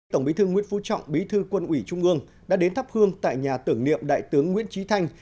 tổng bí thư nguyễn phú trọng bí thư quân ủy trung ương đã đến thắp hương tại nhà tưởng niệm đại tướng nguyễn trí thanh